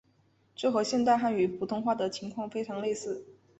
这和现代汉语普通话的情况非常类似。